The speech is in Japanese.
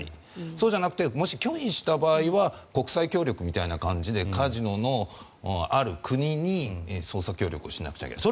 そうじゃなくてもし拒否した場合は国際協力みたいな感じでカジノのある国に捜査協力をしなくちゃいけない。